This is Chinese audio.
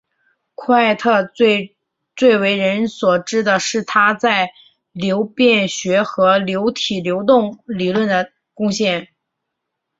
库埃特最为人所知的是他在流变学和流体流动理论的贡献。